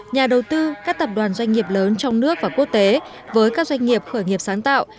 nhà đầu tư các tập đoàn doanh nghiệp lớn trong nước và quốc tế với các doanh nghiệp khởi nghiệp sáng tạo